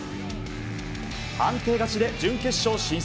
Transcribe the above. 判定勝ちで準決勝進出。